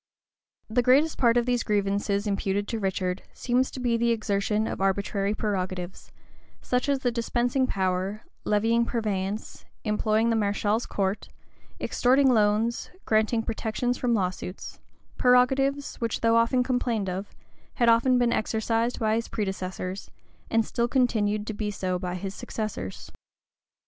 The greatest part of these grievances imputed to Richard, seems to be the exertion of arbitrary prerogatives; such as the dispensing power,[*] levying purveyance,[] employing the mareschal's court,[] extorting loans,[] granting protections from lawsuits;[] prerogatives, which, though often complained of, had often been exercised by his predecessors, and still continued to be so by his successors.